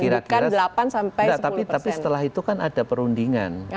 tidak tapi setelah itu kan ada perundingan